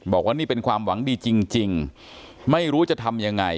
บอกว่านี่เป็นความหวังดีจริงไม่รู้จะทำยังไง